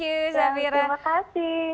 kalau saya disana godaannya berapa